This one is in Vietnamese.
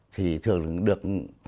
thì thường được